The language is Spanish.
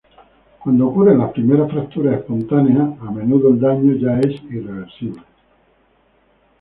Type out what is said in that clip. Cuando ocurren las primeras fracturas espontáneas a menudo el daño ya es irreversible.